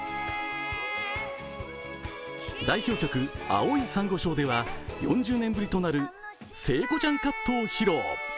代表曲「青い珊瑚礁」では４０年ぶりとなる聖子ちゃんカットを披露。